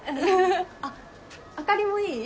あっあかりもいい？